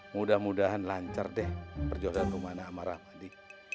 mudah mudahan lancar deh berjodoh rumana sama rahmadi